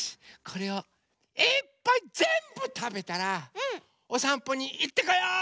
これをいっぱいぜんぶたべたらおさんぽにいってこよう！